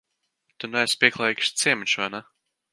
Tu neesi pieklājīgs ciemiņš, vai ne?